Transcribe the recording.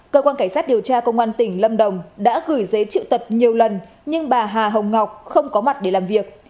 cơ quan cảnh sát điều tra công an tỉnh lâm đồng đã gửi giấy triệu tập nhiều lần nhưng bà hà hồng ngọc không có mặt để làm việc